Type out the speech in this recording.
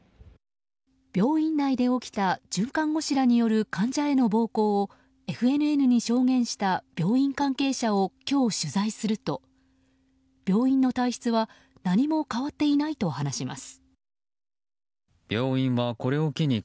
病院内で起きた准看護師らによる患者への暴行をＦＮＮに証言した病院関係者を今日、取材すると病院の体質は何も変わっていないと話します。